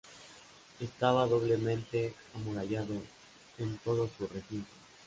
Estaba doblemente amurallado en todo su recinto.